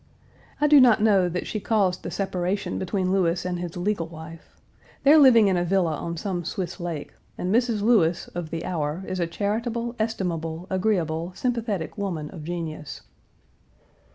I do not know that she caused the separation between Lewes and his legal wife. They are living in a villa on some Swiss lake, and Mrs. Lewes, of the hour, is a charitable, estimable, agreeable, sympathetic woman of genius."